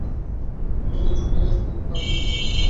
তোমরা নিজ চোখে তাকে দেখতে পার।